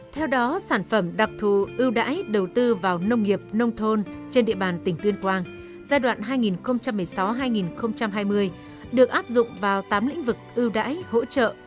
theo đó sản phẩm đặc thù ưu đãi đầu tư vào nông nghiệp nông thôn trên địa bàn tỉnh tuyên quang giai đoạn hai nghìn một mươi sáu hai nghìn hai mươi được áp dụng vào tám lĩnh vực ưu đãi hỗ trợ